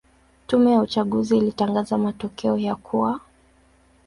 Tume ya uchaguzi ilitangaza matokeo ya kuwa